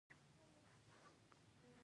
تاریخ د افغانستان د انرژۍ سکتور برخه ده.